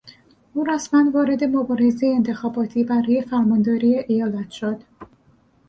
او رسما وارد مبارزهی انتخاباتی برای فرمانداری ایالت شد.